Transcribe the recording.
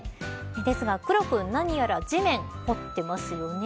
ですが、クロ君何やら地面掘ってますよね。